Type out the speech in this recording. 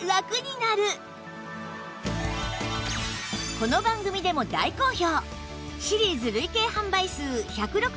この番組でも大好評！